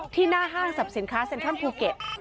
หน้าห้างสรรพสินค้าเซ็นทรัลภูเก็ต